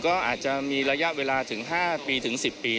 ก็อาจจะมีระยะเวลาถึง๕ปีถึง๑๐ปี